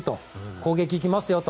攻撃行きますよと。